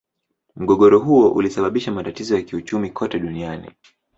Mgogoro huo ulisababisha matatizo ya kiuchumi kote duniani.